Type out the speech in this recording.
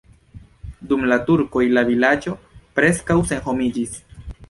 Dum la turkoj la vilaĝo preskaŭ senhomiĝis.